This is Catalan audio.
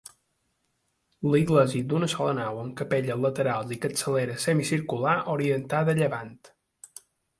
L'església d'una sola nau amb capelles laterals i capçalera semicircular orientada a llevant.